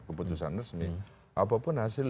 keputusan resmi apapun hasil